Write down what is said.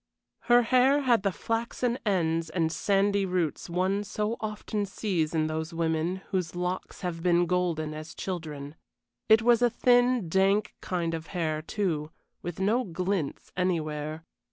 Her hair had the flaxen ends and sandy roots one so often sees in those women whose locks have been golden as children. It was a thin, dank kind of hair, too, with no glints anywhere.